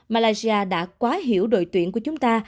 malaysia đã quá hiểu đội tuyển của chúng ta